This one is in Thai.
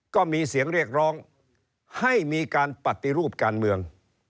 ก็มีเสียงเรียกร้องให้มีการปฏิรูปการเมือง